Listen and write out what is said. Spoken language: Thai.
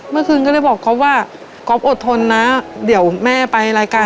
เมื่อคืนก็เลยบอกก๊อฟว่าก๊อฟอดทนนะเดี๋ยวแม่ไปรายการ